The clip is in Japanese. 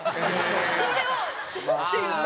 それをシュパ！っていう。